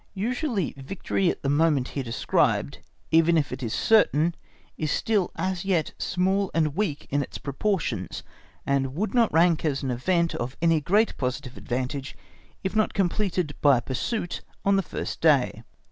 Usually victory at the moment here described, even if it is certain, is still as yet small and weak in its proportions, and would not rank as an event of any great positive advantage if not completed by a pursuit on the first day.